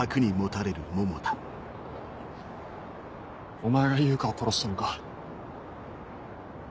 お前が悠香を殺したのか？